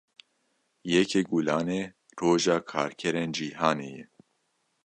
Yekê Gulanê, roja karkerên cîhanê ye